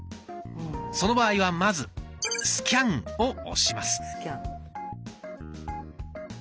その場合はまず「スキャン」を押します。